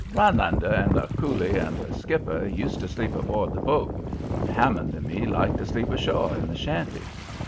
"Rhinelander and the Coolie and the skipper used to sleep aboard the boat, but Hammond and me liked to sleep ashore in the shanty.